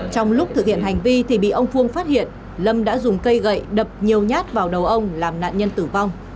trong lúc thực hiện hành vi thì bị ông phương phát hiện lâm đã dùng cây gậy đập nhiều nhát vào đầu ông làm nạn nhân tử vong